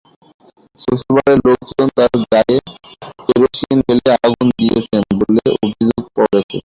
শ্বশুরবাড়ির লোকজন তাঁর গায়ে কেরোসিন ঢেলে আগুন দিয়েছেন বলে অভিযোগ পাওয়া গেছে।